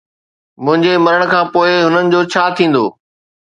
منهنجي مرڻ کان پوءِ هنن جو ڇا ٿيندو؟